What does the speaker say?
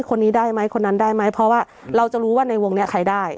คนนี้ได้ไหมคนนั้นได้ไหมเพราะว่าเราจะรู้ว่าในวงนี้ใครได้